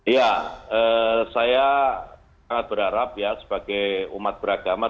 ya saya sangat berharap ya sebagai umat beragama